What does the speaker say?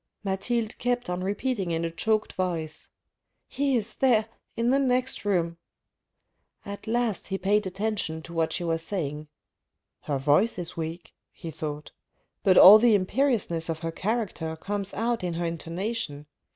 Mathilde kept on repeating in a choked voice :" He is there in the next room." At last he paid attention to what she was saying. "Her voice is weak," he thought, "but all the im periousness of her character comes out in her intonation.